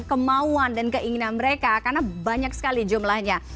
kemauan dan keinginan mereka karena banyak sekali jumlahnya